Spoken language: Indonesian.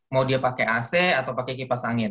mau dia pakai ac atau pakai kipas angin